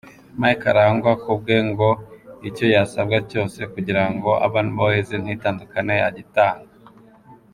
Mike Karangwa kubwe ngo icyo yasabwa cyose kugira ngo Urban Boys ntitandukane yagitanga….